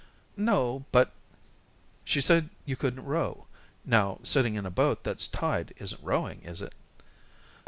"No, but " "She said you couldn't row. Now, sitting in a boat that's tied isn't rowing, is it?"